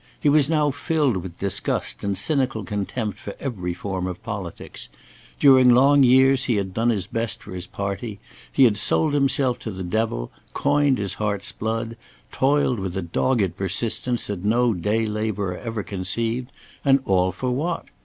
He was now filled with disgust and cynical contempt for every form of politics. During long years he had done his best for his party; he had sold himself to the devil, coined his heart's blood, toiled with a dogged persistence that no day labourer ever conceived; and all for what?